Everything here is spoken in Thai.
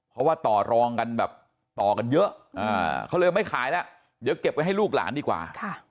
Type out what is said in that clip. เพราะว่าต่อรองกันแบบต่อกันเยอะเขาเลยไม่ขายแล้วเดี๋ยวเก็บไว้ให้ลูกหลานดีกว่า